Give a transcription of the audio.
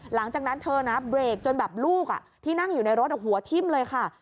หลังจากนั้นเธอนะเบรกจนแบบลูกที่นั่งอยู่ในรถหัวทิ้มเลยค่ะ